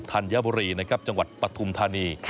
ธัญบุรีนะครับจังหวัดปฐุมธานี